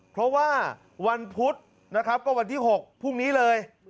เพราะว่าวันพุธนะครับก็วันที่๖พรุ่งนี้เลย